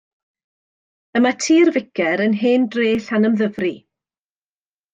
Y mae Tŷ'r Ficer yn hen dref Llanymddyfri.